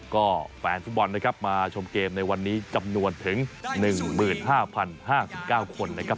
ก็แฟนฟุตบอลนะครับมาชมเกมในวันนี้จำนวนถึง๑๕๐๕๙คนนะครับ